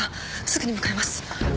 すぐに向かいます。